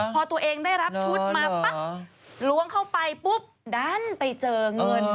พอตัวเองได้รับชุดมาปั๊บล้วงเข้าไปปุ๊บดันไปเจอเงิน